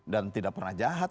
dan tidak pernah jahat